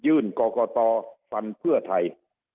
ยื่นกอกตอฟันเพื่อไทย